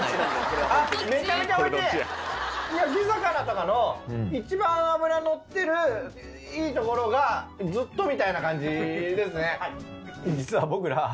焼き魚とかの一番脂のってるいいところがずっとみたいな感じですね。